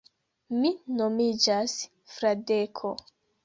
Mi nomiĝas Fradeko.